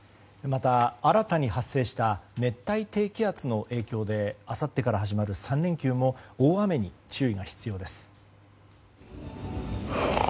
また、新たに発生した熱帯低気圧の影響であさってから始まる３連休も大雨に注意が必要です。